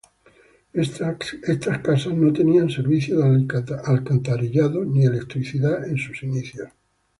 Estas casas no tenían servicio de alcantarillado ni electricidad en sus inicios.